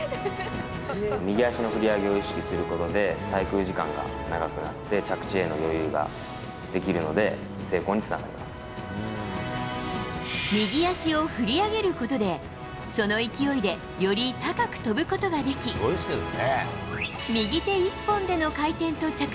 右足の振り上げを意識することで、滞空時間が長くなって、着地への余裕ができるので、右足を振り上げることで、その勢いでより高く跳ぶことができ、お天気をお伝えします。